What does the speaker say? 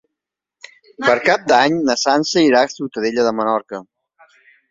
Per Cap d'Any na Sança irà a Ciutadella de Menorca.